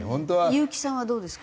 優木さんはどうですか？